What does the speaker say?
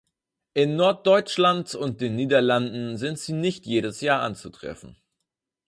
In Norddeutschland und den Niederlanden sind sie nicht jedes Jahr anzutreffen.